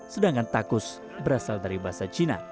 sedangkan takus berasal dari bahasa cina